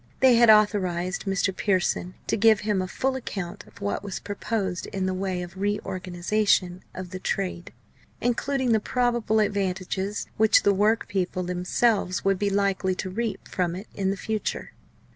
They had authorised Mr. Pearson to give him a full account of what was proposed in the way of re organisation of the trade, including the probable advantages which the work people themselves would be likely to reap from it in the future.